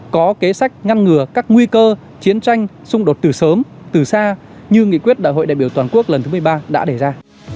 có kế sách ngăn ngừa các nguy cơ chiến tranh xung đột từ sớm từ xa như nghị quyết đại hội đại biểu toàn quốc lần thứ một mươi ba đã đề ra